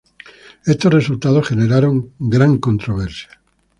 Estos resultados generaron gran controversia.